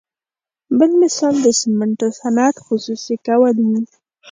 بل مثال د سمنټو صنعت خصوصي کول وو.